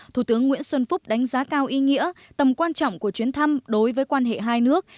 thủ tướng nguyễn xuân phúc đánh giá cao ý nghĩa tầm quan trọng của chuyến thăm đối với quan hệ hai nước